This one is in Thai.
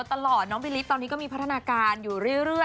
ตลอดน้องบิริสตอนนี้ก็มีพัฒนาการอยู่เรื่อย